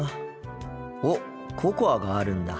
おっココアがあるんだ。